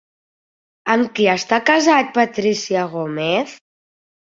Amb qui està casat Patrícia Gómez?